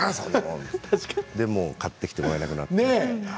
で、もう買ってきてもらえなくなったんです。